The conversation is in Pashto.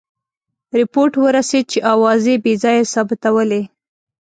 رپوټ ورسېد چې آوازې بې ځایه ثابتولې.